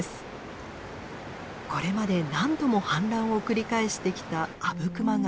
これまで何度も氾濫を繰り返してきた阿武隈川。